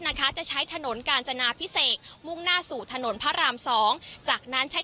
นะคะจะใช้ถนนกาญจนาพิเศษมุ่งหน้าสู่ถนนพระรามสองจากนั้นใช้